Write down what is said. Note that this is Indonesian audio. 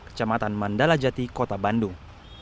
kecamatan mandala jati kota bandung